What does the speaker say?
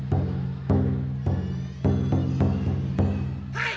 はい！